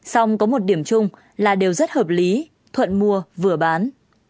xong có một điểm chung là đều rất hợp lý thuận mua vừa bán